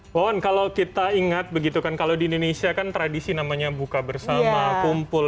wawan kalau kita ingat begitu kan kalau di indonesia kan tradisi namanya buka bersama kumpul